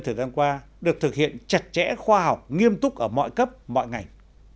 thời gian qua được thực hiện chặt chẽ khoa học nghiêm túc ở mọi cấp mọi ngành